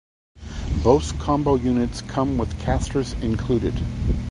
Both Combo units come with casters included.